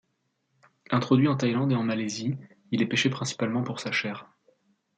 Introduit en Thaïlande et en Malaisie, il est pêché principalement pour sa chair.